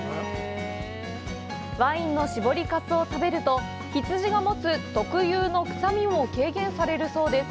ワインの搾りかすを食べると、ヒツジが持つ特有の臭みも軽減されるそうです。